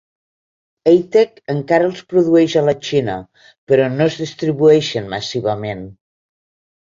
Eittek encara els produeix a la Xina, però no es distribueixen massivament.